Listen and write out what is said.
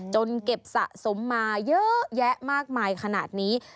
เก็บสะสมมาเยอะแยะมากมายขนาดนี้